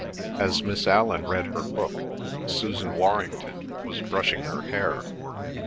As Miss Allan read her book, Susan Warrington was brushing her hair.